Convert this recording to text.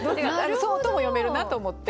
そうとも読めるなと思って。